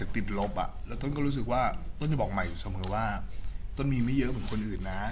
ต้องไปบอกใหม่อยู่เสมอว่าต้นมีไม่เยอะเหมือนคนอื่นนะ